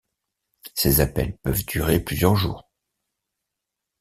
Ces appels peuvent durer plusieurs jours.